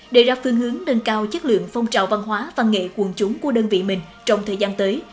để ra phương hướng nâng cao chất lượng phong trào văn hóa văn nghệ quần chúng của đơn vị mình trong thời gian tới